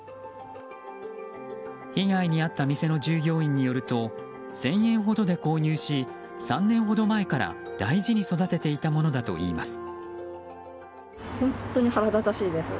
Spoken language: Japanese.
被害に遭った店の従業員によると１０００円ほどで購入し３年ほど前から大事に育てていたものだといいます。